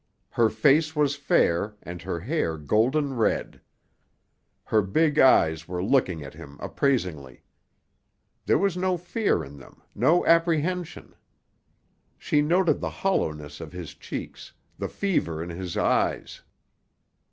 Her face was fair and her hair golden red. Her big eyes were looking at him appraisingly. There was no fear in them, no apprehension. She noted the hollowness of his cheeks, the fever in his eyes.